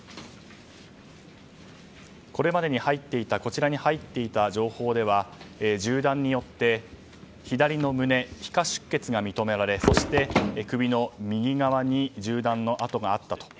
これまでにこちらに入っていた情報では銃弾によって左の胸に皮下出血が認められそして首の右側に銃弾の跡があったと。